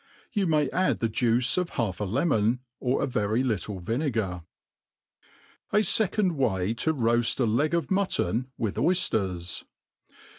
You may add the juice of half a lemon, or a very little vinegar. * Aficond way to roqfl a Leg of Mutton with Oji/iers.